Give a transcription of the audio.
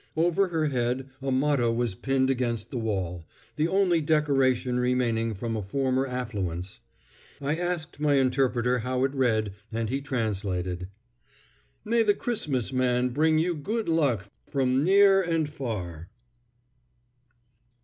Over her head a motto was pinned against the wall—the only decoration remaining from a former affluence. I asked my interpreter how it read and he translated, "May the Christmas man bring you good luck from near and far."